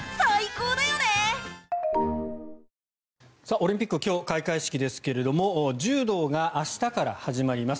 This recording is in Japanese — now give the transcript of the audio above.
オリンピックは今日、開会式ですけど柔道が明日から始まります。